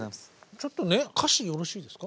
ちょっとね歌詞よろしいですか。